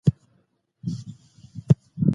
که څوک د دولت اطاعت نه کوي سرغړونکی دی.